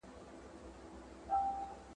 له تارونو جوړوي درته تورونه !.